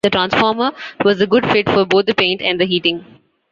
The transformer was a good fit for both the paint and the heating.